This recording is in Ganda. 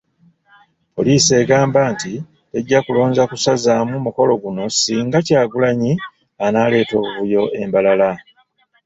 Poliisi egamba nti tejja kulonza kusazaamu mukolo guno singa Kyagulanyi anaaleeta obuvuyo e Mbarara.